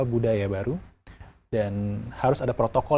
budaya baru dan harus ada protokol